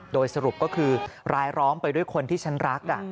โดยสรุปก็คือรายร้องไปด้วยคนที่ฉันรัก